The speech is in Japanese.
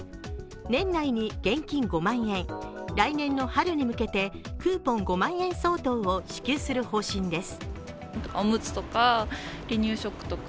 年内に現金５万円、来年の春に向けてクーポン５万円相当を支給する方針です。